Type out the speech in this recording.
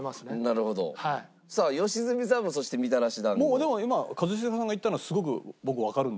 もうでも今一茂さんが言ったのすごく僕わかるんですよ。